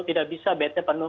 tidak bisa bednya penuh